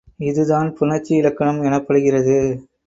இது தான் புணர்ச்சி இலக்கணம் எனப்படுகிறது.